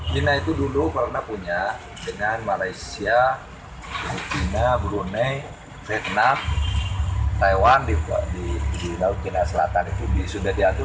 china itu dulu karena punya dengan malaysia china brunei vietnam taiwan di laut cina selatan itu